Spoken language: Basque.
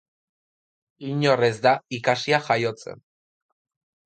Inor ez da ikasia jaiotzen.